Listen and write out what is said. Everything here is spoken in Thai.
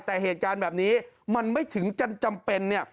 แต่เหตุการณ์แบบนี้มันไม่ถึงจะจำเป็นเนี่ย